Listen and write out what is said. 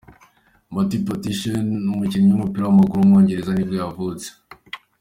Matty Pattison, umukinnyi w’umupira w’amaguru w’umwongereza nibwo yavutse.